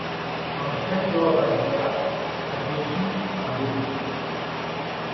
Un sac d'or à Judas, à Jésus un baiser.